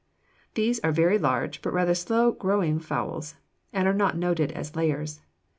These are very large, but rather slow growing fowls, and are not noted as layers.